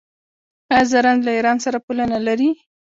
آیا زرنج له ایران سره پوله نلري؟